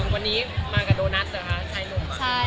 วันนี้มากับโดนัทเหรอคะใช้หนุ่มบ้าง